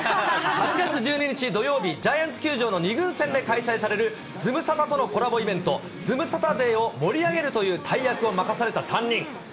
８月１２日土曜日、ジャイアンツ球場の２軍戦で開催されるズムサタとのコラボイベント、ズムサタデーを盛り上げるという大役を任された３人。